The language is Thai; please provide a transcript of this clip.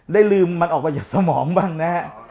ได้ลืมมันออกมาจากสมองบ้างนะฮะ